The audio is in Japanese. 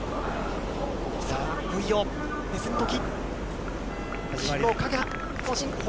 いよいよ決戦のとき。